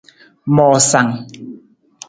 Moosang.